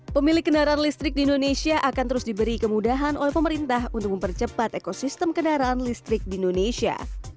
pemilik kendaraan listrik di indonesia akan terus diberi kemudahan oleh pemerintah untuk mempercepat ekosistem kendaraan listrik di indonesia